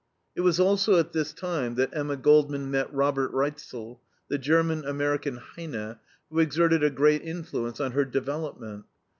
It was also at this time that Emma Goldman met Robert Reitzel, the German American Heine, who exerted a great influence on her development.